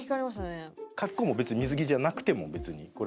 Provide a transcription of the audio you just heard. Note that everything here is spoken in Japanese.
格好も水着じゃなくても別に。